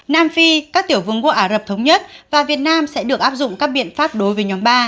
nam phi các tiểu vương quốc ả rập thống nhất và việt nam sẽ được áp dụng các biện pháp đối với nhóm ba